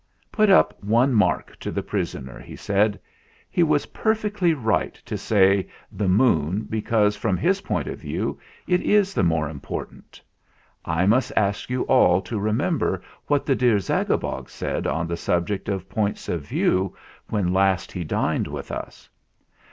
"Put up one mark to the prisoner," he said. "He was perfectly right to say The Moon/ be cause, from his Point of View, it is the more important. I must ask you all to remember what the dear Zagabog said on the subject of Points of View when last he dined with us."